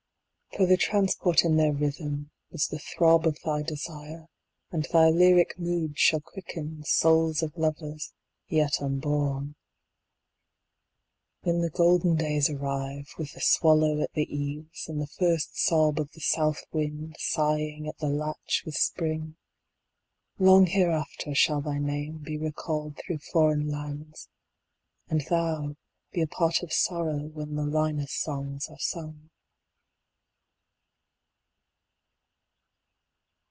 For the transport in their rhythm Was the throb of thy desire, And thy lyric moods shall quicken 35 Souls of lovers yet unborn. When the golden days arrive, With the swallow at the eaves, And the first sob of the south wind Sighing at the latch with spring, 40 Long hereafter shall thy name Be recalled through foreign lands, And thou be a part of sorrow When the Linus songs are sung.